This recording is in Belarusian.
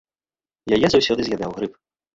Яе заўсёды з'ядаў грыб.